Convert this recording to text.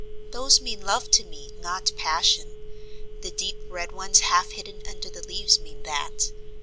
"Those mean love to me, not passion: the deep red ones half hidden under the leaves mean that.